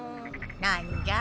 なんじゃ？